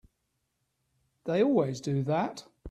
They always do that.